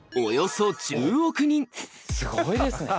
すごいですね。